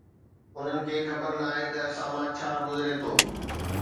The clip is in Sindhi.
انهن کي خبر ناهي ته اسان مان ڇا گذري ٿو